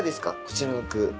こちらの句。